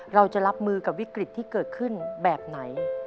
เราจะรับมือกับวิกฤตที่เกิดขึ้นแบบไหน